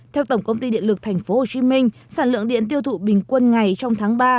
theo tổng công ty điện lực tp hcm sản lượng điện tiêu thụ bình quân ngày trong tháng ba